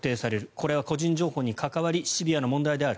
これは個人情報に関わりシビアな問題である。